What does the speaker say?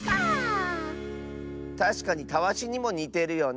たしかにたわしにもにてるよね。